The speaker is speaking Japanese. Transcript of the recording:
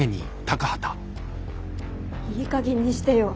いいかげんにしてよ！